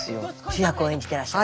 主役を演じてらっしゃる。